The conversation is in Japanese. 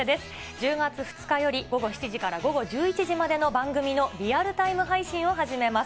１０月２日より午後７時から午後１１時までの番組のリアルタイム配信を始めます。